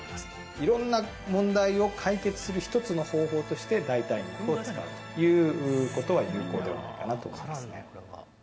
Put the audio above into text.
いろんな問題を解決する一つの方法として、代替肉を使うということは有効ではないかなと思いますね。